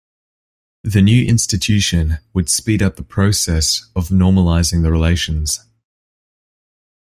The new institution would speed up the process of normalizing the relations.